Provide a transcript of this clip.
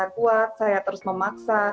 kuat saya terus memaksa